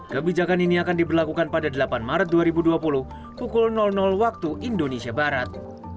kebijakan ini akan diberlakukan pada delapan maret dua ribu dua puluh pukul waktu indonesia barat